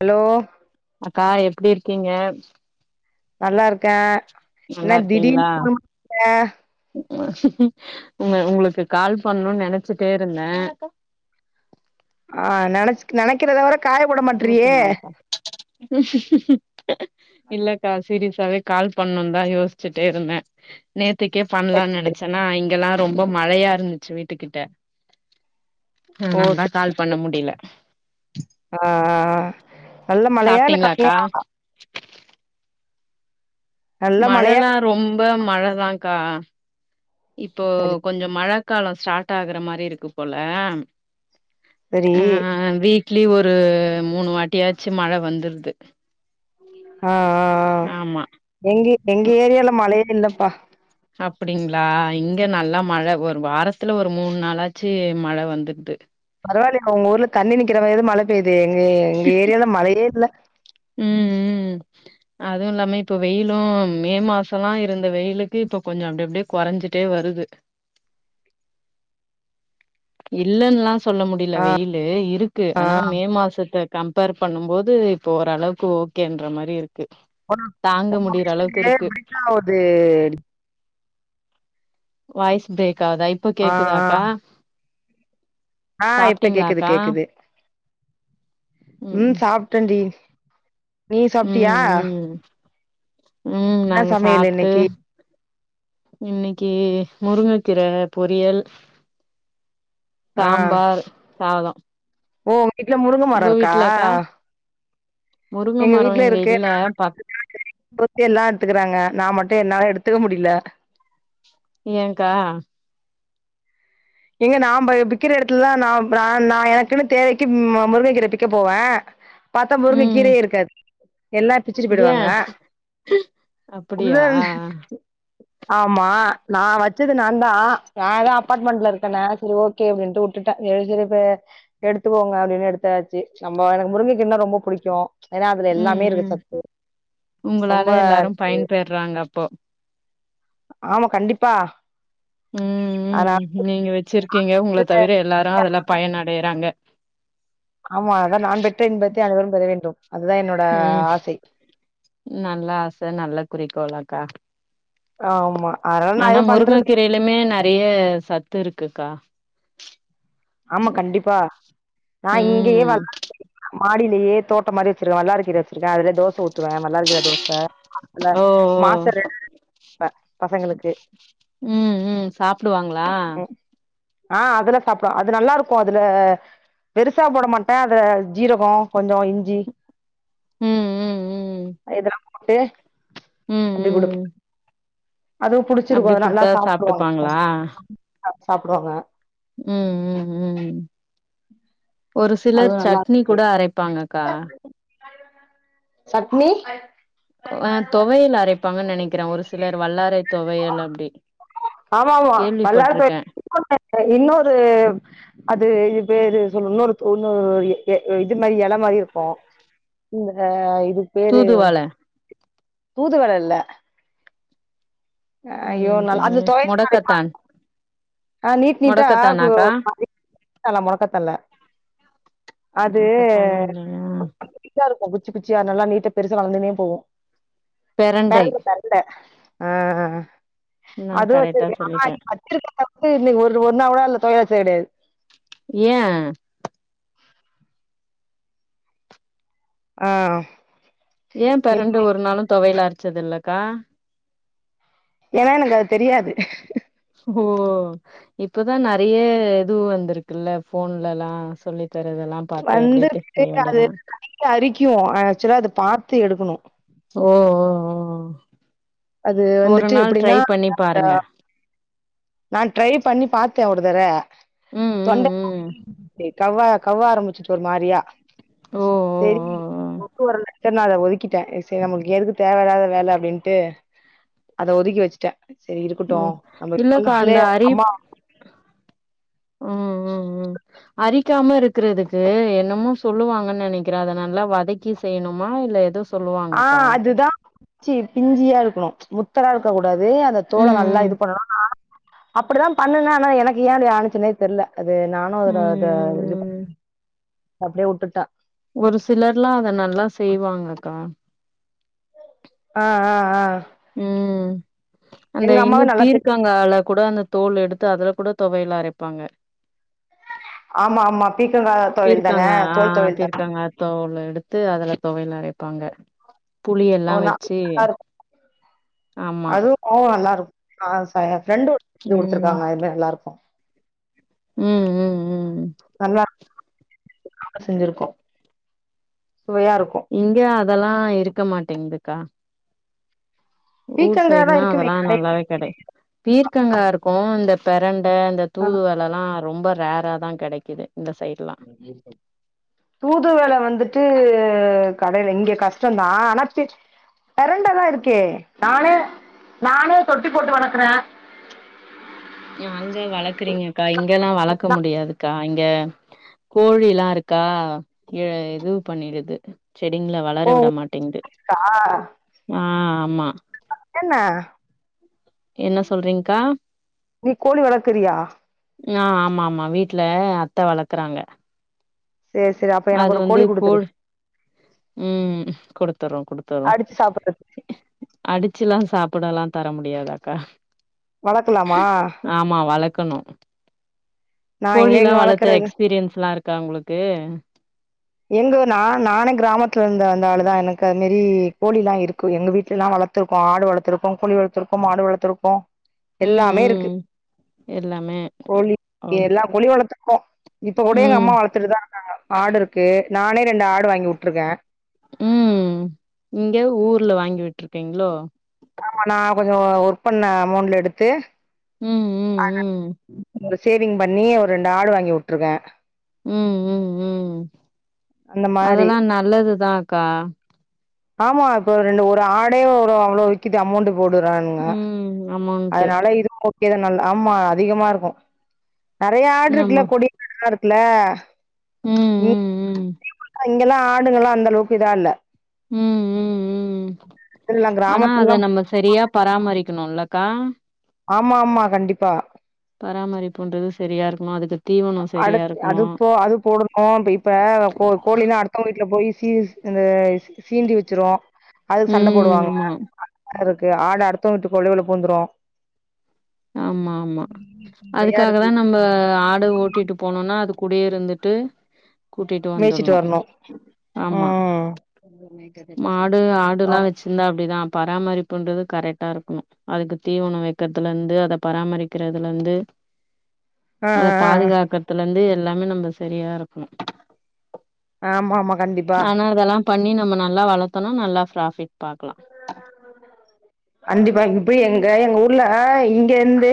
hello அக்கா எப்டி இருக்கீங்க நல்லா இருக்க என்னா நல்லா திடீனு இருக்கீங்களா போன் பண்ணிருக்க உங்க உங்களுக்கு கால் பண்ணணுனு நெனைச்சிட்டே இருந்த ஆ நெனைச் நெனைக்கிற தவர இருவத்தி நாலுக்கா இல்லக்கா சீரியஸாவே கால் பண்ணணுணு தா யோசிச்சுட்டே இருந்தே நேத் த்துக்கே சரி பண்லானு சரி நெனைச்சேன்னா இங்கெல்லா ரொம்ப மழையா இருந்துச்சு வீட்டுக்கிட்ட ஓ அதனாலதா சரி கால் பண்ண முடியல ஆ நல்ல மழையா இல்ல சாப்ட்டீங்களாக்கா கம்மியாவா நல்ல மழையா மழல்லா ரொம்ப மழதாக்கா இப்போ சரி கொஞ்ச மழ கால ஸ்டார்ட் ஆகுற மாரி இருக்கு போல சரி ட்லி ஒரு மூணு வாட்டியாச்சு மழ வந்துருது ஆ ஆ ஆ ஆமா எங்க எங்க ஏரியால மழையே இல்லப்பா அப்டிங்களா இங்க நல்லா மழ ஒரு வாரத்துல ஒரு மூணு நாளாச்சு மழ வந்துடுது பரவால்ல உங்க ஊர்ல தண்ணி நிக்கிற மாரியாது மழ பெயுதே எங்க எங்க ஏரியால மழையே இல்ல ம் ம் அதுவு இல்லாம இப்ப வெயிலு மே மாசல்லா இருந்த வெயிலுக்கு இப்ப கொஞ்ச அப்டி அப்டியே கொறஞ்சிட்டே வருது இல்லன்னுல்லா சொல்ல முடியல வெயிலு இருக்கு ஆனா மே மாசத்த கம்பேர் பண்ணும் போது இப்போ ஓரளவுக்கு ஓகேன்ற மாரி இருக் கு தாங்க முடியிற அளவுக்கு அப்டியே இருக்கு பிரேக் ஆவுது வாய்ஸ் பிரேக் ஆகுதா இப்ப ஆ ஆ கேக்குதாக்கா ஆ இப்ப கேக்குது சாப்ட்டீங்களாக்கா கேக்குது ம் சாப்டன் டி நீ சாப்டியா ம் ம் என்ன சமையல் இன்னைக்கி இன்னிக்கி முருங்கக்கீர பொரியல் ஆ சாம்பார் சாதொ ஓ உங் வீட்ல முருங்க மரோ இருக்கா முருங்க எங்க மரம் வீட்ல இங்க இருக்கு இல்ல பக் [inaudible] எல்லா எடுத்துக்குறாங்க நா மட்டு என்னால எடுத் துக்க முடில ஏன்கா எங்க நான் ப விக்கிற எடத்துல்தா நா நா நா எனக்குன்னு தேவைக்கு மு முருங்க கீரபிக்க போவ பாத்த முருங்க ம் கீரையே இருக்காது எல்லா பிச்சுடி ஏன் போய்டுவாங்கா உள்ள அப்படியா ஆமா நா வச்சது நாந்தா நா தா அபார்ட்மண்ட்ல இருக் நான் செரி ஓகே அப்டின்ட்டு உட்டுட்ட [unintelligible] எடுத்துகோங்க அப்டின்னு எடுத்தாச்சு நம்மொ எனக்கு மு ருங்க்கீர்ன்னா ரொம்பொ புடிக்கு ஏன்னா அதுல ம் எல்லாமே இருக்கு ம் சத்து ரொம்ப உங்களால எல்லாரும் இருக்கு பயன்பெறாங்க அப்போ ஆமா கண்டிப்பா ஆனா ம் நீங்க வெச்சிருக்கீங்க உங்கள தவிர எல்லாரு அதுல பயன் அடையுறாங்க ஆமா அதா நான் பெற்ற இன்பத்தை அனைவரும் பெற வேண்டும் அதுதா என்னோட ம் ஆசை நல்ல ஆச நல்ல குறிக்கோல் அக்கா ஆமா அதனால நா ஆனா எதுவு பண்றது முருங்கக்கீரைலிமே நறைய சத்துருக்குக்கா ஆமா கண்டிப்பா நா இங்கயே ம் [unintelligible] மாடி ஏ தோட்டம் மாரி வெச்சிரு வல்லாக்கீற வெச்சிருக்கன் அதுலே தோச தூத்துவே வல்லாரக்கீற தோச மாவுல ஓ ஓ மாச [inaudible] பசங்களுக்கு ம் ம் சாப்டுவாங்களா ம் ஆ அதுலா சாப்டுவா அது நல்லாருக்கு அதுல பெருசா போட மாட்ட அத ஜீரகோ கொஞ்சொ இஞ்சி ம் ம் எத ம் ம் [inaudible] அப்டி குடுக் ம் அதுவு புடிச்சிருக்கு அப்டி அது நல்லா குடுத்தா சாப்ட்டுப்பாங்களா சாப்டுவாங்க [inaudible] சாப்டுவாங்க ம் ம் ம் ஒரு அதுவு சிலர் நல்லா சட்னி கூட அரைப்பாங்கக்கா சட்னி அ தொவையல் அரைப்பாங்கன் நெனைக்கிற ஒரு சிலர் வல்லாறை தொவையல் அப்டி ஆமாமா வல்லார தொ கேள்விப்பட்ருக்கே [inaudible] இன்னொரு அது பேரு சொல் இன்னொரு தொண்ணூறு எ இது மாரி எல மாரி இருக்கு இந்த இது பேரு தூதுவள தூதுவல இல்ல ஆ ஐயோ என்னன்னு நாள் அது தெர்ல தொவயல் அரைப்பா மொடக்கத்தான் ஆ நீட் நீட்டா [inaudible] மொடக்கத்தானாக்கா அது மொடக்கத்தானா இல்லையா [inaudible] இருக்கு குச்சி குச்சியா நல்லா நீ பெருசா வளந்துன்னே போகு பெரண்டை பெரண்ட பெரண்ட ஆ நா அதுவு கரெக்டா வச்சிருக்கே ஆனா சொல்லிட்டே வச்சிருக்க வந்து இன்னைக்கு ஒரு ஒண்ணா கூட இல்ல தொழிலா [unintelligible] ஏன் ஆஹ் ஏன் பெரண்ட ஒருநாளும் தொவையலா அரச்சதில்லக்கா ஏன்னா எனக்கு அது தெரியாது ஓ இப்பதா நறைய இதுவு வந்துருக்குல்ல ஃபோன்லலா சொல்லி தரதெல்லா பாத்து அப்டியே வந்திருக்கு செய்ய அது வேண்டியதா [inaudible] அரிக்கு ஆக்சுவலா அத பாத்து எடுக்கணு ஓ ஓ அது ஓ ஒரு வந்துட்டு நாள் ட்ரை எப்படின்னா பண்ணி பாருங்க நான் ட்ரை பண்ணி பாத்தே ஒரு தர ம் தொண்ட ம் ம் [inaudible] கவ்வா கவ்வ ஆரம்பிச்சிட்டு வொரு மாரியா ஓ ஓ சேரி ஓ கொக்கு வரல சரி நா அத ஒதுக்கிட்டே சரி நம்மளுக்கு எதுக்கு தேவையில்லாத வேல அப்படின்ட்டு அத ஒதுக்கி வச்சிட்டே சரி ஓ ம் இருக்கட்டும் நம்ம இல்லக்கா போனாலே அந்த அரிப் அம்மா ம் ம் ம் அரி க்காம இருக்கிறதுக்கு என்னமோ சொல்லுவாங்க நெனைக்கிறே அதை நல்லா வதக்கி செய்யணுமா இல்ல எதோ சொல்லுவாங்கக்கா ச்சி பிஞ்சியா இருக்கணும் முத்தரா இருக்க கூடாது அந்த தோல ம் நல்லா ம் இது பண்ணணும் அப்டிதா பண்ணுனே ஆனா எனக்கு ஏன் அது ஆனுச்சுனே தெர்ல அது நானு அதுல ம் அத ம் இது ம் அப்டியே விட்டுட்டே ஒரு சிலர்லா அத நல்லா செய்வாங்கக்கா அ அ அ ம் அந்த இன்னு அம்மாவே நல்லா செய் பீர்க்கங்கால கூட அந்த தோல் எடுத்து அதுல கூட தொவையில அரைப்பாங்க ஆமா ஆமா பீக்கங்கா தொவையல் தான பீர்க்கங்கா ஆ தோல் தொவையல் தான பீர்க்கங்காய் தோலு எடுத்து அதுல தொவையில் அரைப்பாங்க புளியல்லா ஓ நா வச்சி நல்லா இருக்கு அதுவு ஓ நல்லாருக்கு ஆச ஃப்ரெண்டு [inaudible] இது ம் குடுத்துருக்காங்க அதுமே நல்லாருக்கு ம் ம் ம் நல்லா செஞ்சிருக்கோ சுவையா இருக்கு இங்க அதெல்லா இருக்க மாட்டேங்குதுக்கா ஊர் பீக்கங்காதா சைடுனா இருக்குமே அதெல்லா கடை நல்லாவே கெடை பீர்க்கங்காருக்கூ இந்த பெரண்ட இந்த தூதுவலல்லா ரொம்ப ரேராதா கெடைக்குது இந்த சைட்லா தூதுவா வந்துட்டு உ கடைல இங்க கஷ்டந்தா ஆனத்து பெரண்ட தா இருக்கே நானே நானே தொட்டி போட்டு வளக்கற அங்க வளக்கறீங்கக்கா இங்கெல்லா வளக்க முடியாதுக்கா அங்கே கோழில்லா இருக்கா இதுவ் பண்ணிடுது செடிங்ல வளர ஓ விட மாட்டிங்து உண்டா ஆ ஆமா என்ன என்ன சொல்றீங்க்கா நீ கோழி வளர்க்கிரியா ஆ ஆமா ஆமா வீட்ல அத்த வளக்கறாங்க சேரி சேரி அப்ப எனக்கு அது ஒரு வந்து கோழி குடுத்துரு கோழ் ம் கொடுத்தர்ரோ கொடுத்தர்ரோ அடிச்சு சாப்புட்றதுக்கு அடிச்சில்லா சாப்பிடல்லா தர முடியாதா அக்கா வளக்லாமா வளக்கணு நா கோழி எங்க எல்லா எங்க வளர்த்த வளக்குறது எக்ஸ்பீரியன்ஸ்ல்லா இருக்கா உங்களுக்கு எங்க நா நானே கிராமத்துல இருந்து வந்த ஆளுதா எனக்கு அது மேரி கோழில்லா இருக்கு எங்க வீட்டுல எல்லா வ வளர்த்துருக்கோ ஆடு வளர்த்துருக்கோ கோழி வளர்த்திருக்கோ மாடு வளர்த்துருக்கோ ம் எல்லாமே இருக்கு ம் எல்லாமே கோழி ஓ எல்லா கோழி வளத்துக்கோ இப்ப கூட எங்க ம் அம்மா வளர்த்துட்டுதா இருக்காங்க ஆடு இருக்கு நானே ரெண்டு ஆடு வாங்கி வுட்டுருக்கே ம் இங்க ஊர்ல வாங்கி விட்ருக்கீங்ளோ ஆமா நா கொஞ்ச ஒர்க் பண்ண அமௌண்ட் எடுத்து ம் ம் ஆ நான் ம் ஒரு சேவிங் பண்ணி ஒரு ரெண்டு ஆடு வாங்கி வுட்ருக்கே ம் ம் ம் அந்த மாரி அதெல்லாம் நல்லதுதான்க்கா ஆமா இப்ப ரெண்டு ஒரு ஆடே ஒரு அவ்ளோ விக்கிது அமௌண்டு போடுறானுங்க ம் அமௌண்ட்டு அதுனால இது இது நல் ஆமா அதிகமா இருக்கும் நெறைய ஆடு நம்ம இருக்குல்ல கொடி ஆடெல்லாம் இருக்குல்ல ம் [inaudible] இங்கெல்லாம் ஆடுங்கள்லாம் அந்தளவுக்கு இதா இல்ல ம் ம் ம் இதெல்லா ஆனா அத கிராமத்துலல்லா நம்ம சரியா பராமரிக்கணுல க்கா ஆமா ஆமா கண்டிப்பா பராமரிப்புன்றது சரியா இருக்கணும் அதுக்கு தீவனோ அடு சரியா அது இருக்கணு போ அது போடணு இப்ப இப்ப கோ கோழிலா அடுத்தவங்க வீட்ல போயி சி அது சீண்டி வச்சிரும் அதுக்கு சண்ட ம் போடுவாங்க ஆமா அதெல்லாருக்கு ஆடு அடுத்த ஊட்டு கொல்லை உள்ள பூந்துரும் ஆமா ஆமா அதுக்காக இருக்கு தான் நம்ம ஆடு ஓட் ட்டிட்டு போனோனா அது கூடயே இருந்துட்டு கூட்டிட்டு மேய்ச்சிட்டு வந்துட்ணும் வரணு ஆமா ம் மாடு ஆமா ஆடுல்லா வச்சிருந்தா அப்டிதான் பராமரிப்புன்றது கரெக்டா இருக்கணு அதுக்கு தீவனம் வைக்கறதுலருந் து அத பராமரிக்கிறதுலருந்து ஆ அத ஆ பாதுகாக்குறதுலருந்து எல்லாமே நம்ப சரியா இருக்கணும் ஆமா ஆமா கண்டிப்பா அதெல்லா பண்ணி நம்ம நல்லா வளத்தோண நல்லா ப்ராஃபிட் பாக்கலா கண்டிப்பா இப்ப எங்க எங்க ஊர்ல இங்கேருந்து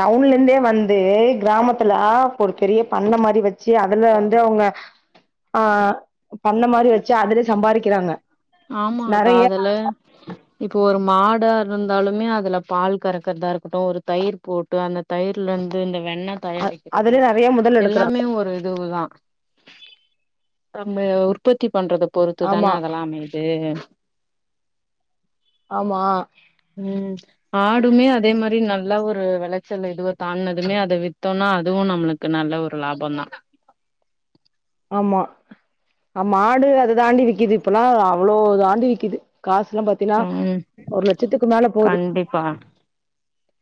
டவுன்லேருந்தே வந்து கிரா கிராமத்துலா ஒரு பெரிய பண்ண மாரி வச்சு அதுல வந்து அவங்க ஆ பண்ண மாரி வச்சு அதுலே சம்பாரிக்கிறாங்க ஆமாக்கா நெறைய அதுல இப்ப ஒரு மாடா இருந்தாலுமே அதுல பால் கறக்கறதா இருக்கட்டும் ஒரு தயிர் போட்டு அந்த தயிர்லருந்து நெ வெண்ண அ தயாரிக்கிறது அதுலயே நெறைய முதல் எடுக்கறாங்க எல்லாமே ஒரு இதுவுதான் நம்ம உற்பத்தி பண்றத பொறுத்துதான ஆமா அதெல்லாமே [inaudible] ஆமா நல்ல ஒரு வெளச்சல் எதுவ தாண்டுனதுமே அத வித்தோன்னா அதுவும் நம்மளுக்கு நல்ல ஒரு லாபந்தான் [inaudible] ஆமா அமாடு அத தாண்டி விக்கிது இப்பல்லா அவ்ளோ தாண்டி விக்கிது காஸ்லாம் பாத்தினா ம் ஒரு லட்சத்துக்கு மேல போது கண்டிப்பா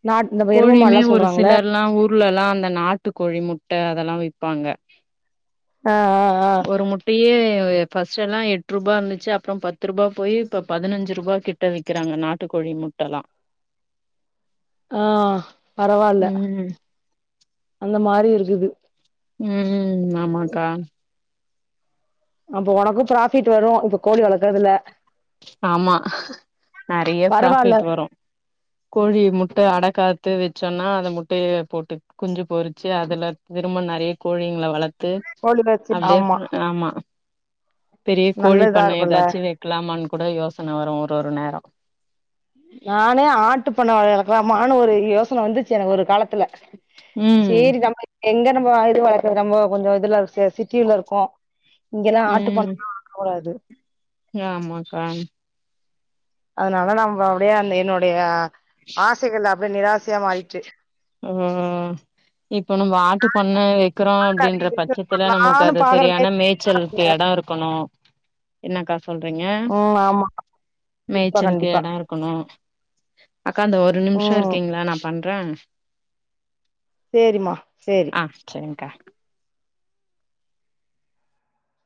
நாட் இந்த எரும கோழியுமே மாடுலா ஒரு சொல்றாங்கள சிலர்லா உர் உள்ளலா அந்த நாட்டுக்கோழி முட்ட அதெல்லா விப்பாங்க ஆ ஆ ஆ ஒரு முட்டையே எப் ஃபஸ்ட்டெல்லா எட்ருபா இந்துச்சு அப்ற பத்துருபா போயி இப்ப பதினஞ்சுருபா கிட்ட விக்கிறாங்க நாட்டுக்கோழி முட் ட்டலா ஆ பரவால்ல அந்த மாரிருக்குது ம் ம் ஆமாக்கா அப்ப ஒனக்கு ப்ராஃபிட் வரு இப்ப கோழி வளக்குறதல ஆமா நெறைய பரவால்ல பிராஃபிட் வரு கோழி முட்ட அடகாத்து வச் சொன்னா அந்த முட்டைய போட்டு குஞ்சு பொரிச்சி அதுல திரும்ப நெறைய கோழிங் ங்ள வளத்து கோழி வச்சு அப்டே ஆமா ஆமா பெரிய கோழி நல்ல இதா பண்ணை இருக்குல்ல எதாச்சு வக்லாமான்னு கூட யோசன வரு ஒரு ஒரு நேரோ நானே ஆட்டுப் பண்ண வே வெளக்லாமான்னு ஒரு யோசன வந்துச்சு எனக்கு ஒரு காலத்துல ம் சேரி நம்ம எங்க நம்போ இது வளர்க்கறது நம்போ கொஞ்சோ இதுல சே சிட்டிலருக்கோ இங்கிலா ஆட்டு பண்ணலா வக்ககுடாது நியாமாக்கான் அதனால நம்ம அப்டியே அந்த என்னுடைய ஆசைகள்ல அப்டியே நிராசையா மாறிட்ச்சு ம் இப்ப நம்ப ஆட்டுப் பண்ண வக்கிறோ அப்படியே அப்டின்ற பிசினஸ் பச்சத்துல நமக்கு பண்ணலான்னு அது பாக்குற செரியான டைம் மேய்ச்சல்க்கு எட இருக்கணு என்னக்கா சொல்றிங்க ம் ஆமா கண்டிப்பா மேய்ச்சல்க்கு கண்டிப்பா எட இருக்கணு அக்கா இந்த ஒரு நிம்ஷ ம் இருக்கீங்ளா நா பண்ற சேரிமா சேரி ஆ சரி்ங்கா